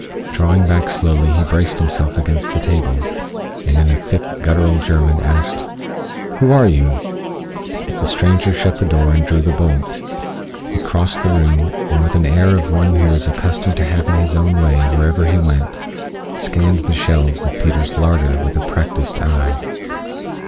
Drawing back slowly he braced himself against the table, and in a thick, guttural German asked, "Who are you?" The stranger shut the door and drew the bolt. He crossed the room and, with an air of one who was accustomed to having his own way wherever he went, scanned the shelves of Peter's larder with a practiced eye.